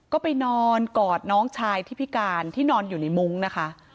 ก็ไปนอนกอดน้องชายที่พิการที่นอนอยู่ในมุ้งนะคะ